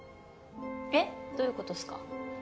えっどういう事っすか？